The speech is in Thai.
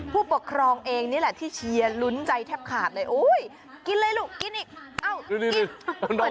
ผู้ปกครองเองนี้แหละที่เชียร์รุนใจแทบขาดถึงกรับไปลุกินไว้ด้วย